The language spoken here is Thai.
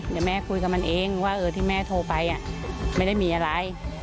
เดี๋ยวแม่คุยกับมันเองว่าที่แม่โทรไปไม่ได้มีอะไร